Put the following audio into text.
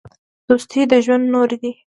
دوستي د ژوند نور دی.